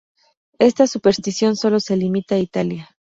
Esta superstición solo se limita a Italia.